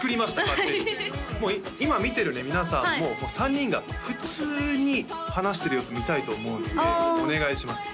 勝手にもう今見てるね皆さんも３人が普通に話してる様子見たいと思うのでお願いします